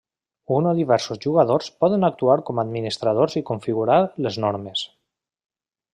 Un o diversos jugadors poden actuar com a administradors i configurar les normes.